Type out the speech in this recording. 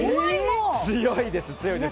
強いです、強いです。